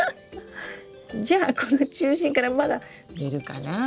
じゃあこの中心からまだ出るかなぁ？